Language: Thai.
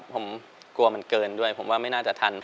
ผมกลัวมันเกินด้วยผมว่าไม่น่าจะทัน